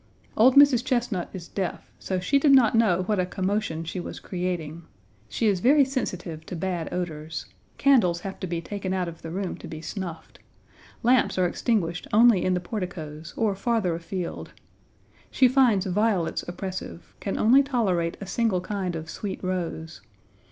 Old Mrs. Chesnut is deaf; so she did not know what a commotion she was creating. She is very sensitive to bad odors. Candles have to be taken out of the room to be snuffed. Lamps are extinguished only in the porticoes, or farther afield. She finds violets oppressive; can only tolerate a single kind of sweet rose.